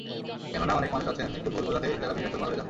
কেননা, অনেক মানুষ আছেন, একটু ভুল বোঝাতেই যাঁরা ভেঙে চুরমার হয়ে যান।